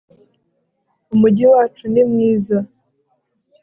Umujyi wacu ni mwiza